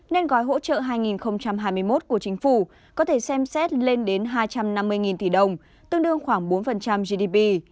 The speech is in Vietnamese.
nên gói hỗ trợ hai nghìn hai mươi một của chính phủ có thể xem xét lên đến hai trăm năm mươi tỷ đồng tương đương khoảng bốn gdp